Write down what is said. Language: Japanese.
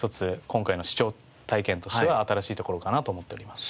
今回の視聴体験としては新しいところかなと思っております。